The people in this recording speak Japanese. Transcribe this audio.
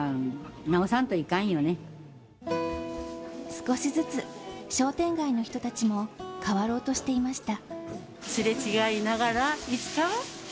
少しずつ商店街の人たちも変わろうとしていました。